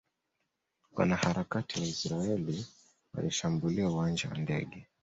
Wanaharakati wa Israeli walishambulia uwanja wa ndege